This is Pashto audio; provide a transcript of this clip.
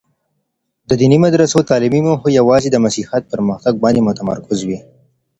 د دیني مدرسو تعلیمي موخې یوازي د مسیحیت پرمختګ باندې متمرکز وې.